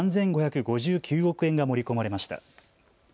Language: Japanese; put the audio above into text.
３５５９億円が盛り込まれました。